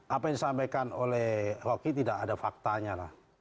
apa yang disampaikan oleh rocky tidak ada faktanya lah